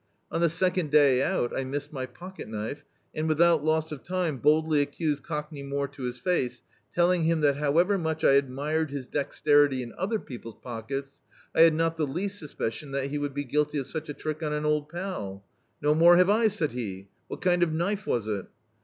On the second day out I missed my pocket>knife and, without loss of time boldly accused Cockney More to his face, telling him that however much I admired his dexterity in other people's pock ets I had not the least suspicion that he would be guilty of such a trick on an old pal. "No more have I," said he. "What kind of knife was it?"